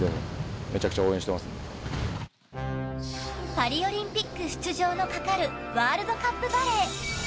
パリオリンピックの出場のかかるワールドカップバレー。